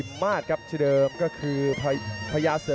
สวัสดิ์นุ่มสตึกชัยโลธสวัสดิ์